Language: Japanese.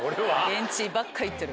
現地ばっか行ってる。